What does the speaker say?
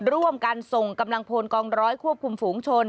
ร่วมกันส่งกำลังพลกองร้อยควบคุมฝูงชน